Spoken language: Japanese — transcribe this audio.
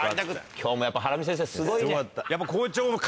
今日もやっぱハラミ先生すごいね。